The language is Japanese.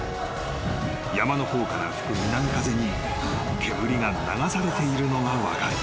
［山の方から吹く南風に煙が流されているのが分かる］